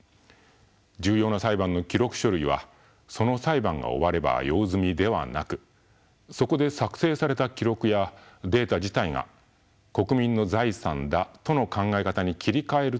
重要な裁判の記録書類はその裁判が終われば用済みではなくそこで作成された記録やデータ自体が国民の財産だとの考え方に切り替えると宣言したのです。